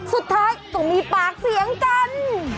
สุดท้ายก็มีปากเสียงกัน